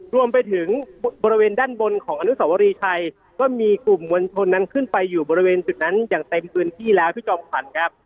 รวมไปถึงบริเวณด้านบนของอนุสวรีชัยก็มีกลุ่มมวลชนนั้นขึ้นไปอยู่บริเวณจุดนั้นอย่างเต็มพื้นที่แล้วพี่จอมขวัญครับ